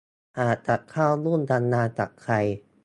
หากจะเข้าหุ้นทำงานกับใคร